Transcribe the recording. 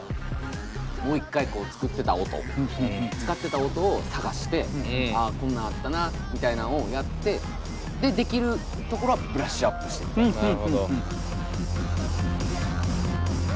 もう一回こう作ってた音使ってた音を探してああこんなんあったなみたいなんをやってでできるところはブラッシュアップしてみたいな。